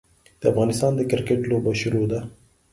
د افغانستان د کرکیټ لوبه شروع ده.